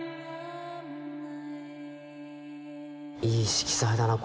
いい色彩だな。